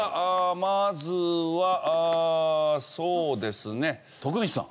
まずはそうですね徳光さん。